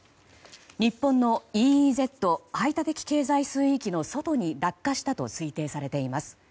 日本のＥＥＺ・排他的経済水域の外に落下したと推定されています。